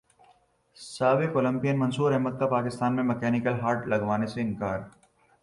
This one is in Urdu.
سابق اولمپئن منصوراحمد کا پاکستان میں مکینیکل ہارٹ لگوانے سے انکار